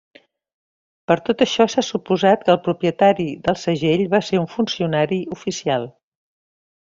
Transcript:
Per tot això s'ha suposat que el propietari del segell va ser un funcionari oficial.